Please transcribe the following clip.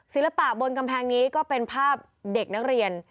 ศิลปะบนกำแพงนี้ก็เป็นภาพเด็กนักเรียน